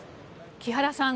木原さん